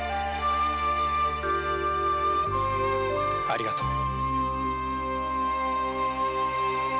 ありがとう。